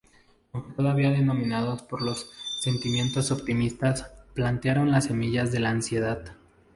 Aunque todavía dominados por los sentimientos optimistas, plantaron las semillas de la ansiedad.